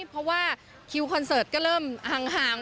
เพราะว่าคิวคอนเสิร์ตก็เริ่มห่าง